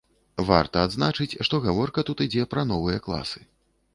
Варта адзначыць, што гаворка тут ідзе пра новыя класы.